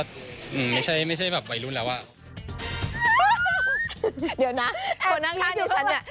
เดี๋ยวนะคนด้านข้างมิฉันน่ะ